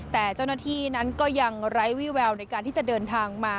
แต่เจ้าหน้าที่นั้นก็ยังไร้วิแววในการที่จะเดินทางมา